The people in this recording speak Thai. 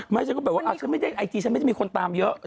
ไม่ฉันก็แบบว่าไอจีฉันไม่มีคนตามเยอะ